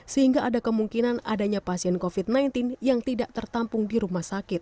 sehingga ada kemungkinan adanya pasien covid sembilan belas yang tidak tertampung di rumah sakit